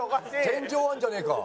天井あんじゃねえか。